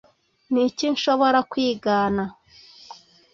Ni iki nshobora kwigana